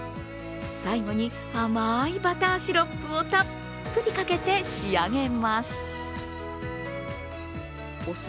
最後に甘いバターシロップをたっぷりかけて仕上げます。